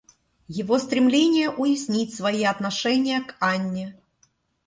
Его стремление уяснить свои отношения к Анне.